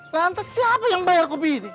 lantas siapa yang bayar kopi ini